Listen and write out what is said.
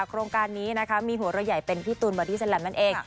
โครงการนี้นะคะมีหัวเราใหญ่เป็นพี่ตูนบอดี้แลมนั่นเอง